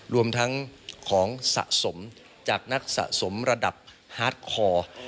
รวมทั้งของสะสมจากนักสะสมระดับฮาร์ดคอร์